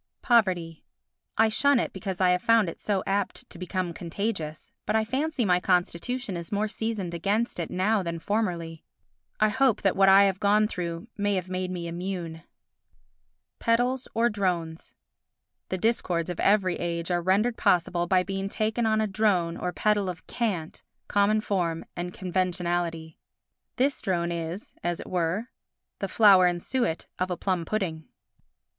Poverty I shun it because I have found it so apt to become contagious; but I fancy my constitution is more seasoned against it now than formerly. I hope that what I have gone through may have made me immune. Pedals or Drones The discords of every age are rendered possible by being taken on a drone or pedal of cant, common form and conventionality. This drone is, as it were, the flour and suet of a plum pudding.